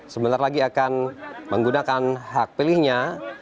sebentar lagi akan menggunakan hak pilihnya